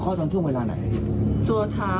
เคาะตอนชั่วเวลาไหน